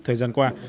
thời gian qua